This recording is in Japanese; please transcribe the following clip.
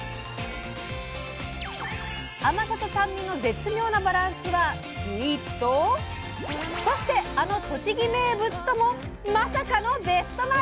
甘さと酸味の絶妙なバランスはスイーツとそしてあの栃木名物ともまさかのベストマッチ⁉